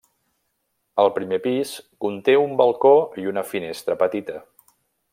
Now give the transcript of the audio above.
El primer pis conté un balcó i una finestra petita.